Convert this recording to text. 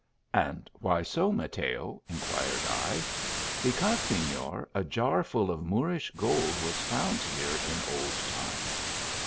And why so, Mateo ?" inquired I. " Because, seiior, a jar full of Moorish gold was fc ind here in old times."